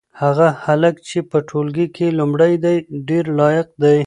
هغه هلک چې په ټولګي کې لومړی دی ډېر لایق دی.